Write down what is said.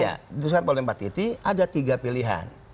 tadi disampaikan oleh mbak titi ada tiga pilihan